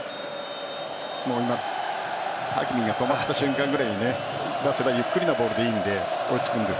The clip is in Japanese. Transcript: ハキミが止まった瞬間くらいに出せばゆっくりのボールでいいので追いつくんです。